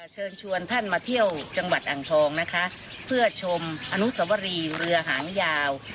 เชิญชวนท่านมาเที่ยวจังหวัดอ่างทองนะคะเพื่อชมอนุสวรีเรือหางยาว